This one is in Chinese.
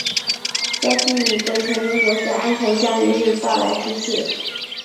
在第五个全民国家安全教育日到来之际